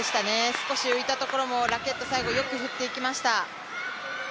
少し浮いたところもラケット最後よく振っていきました。